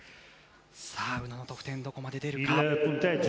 さあ、宇野の得点はどこまで出るか。